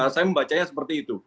saya membacanya seperti itu